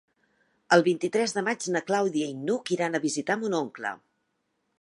El vint-i-tres de maig na Clàudia i n'Hug iran a visitar mon oncle.